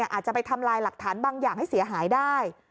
อาจจะไปทำลายหลักฐานบางอย่างให้เสียหายได้